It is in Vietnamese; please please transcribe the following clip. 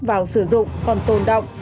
vào sử dụng còn tồn động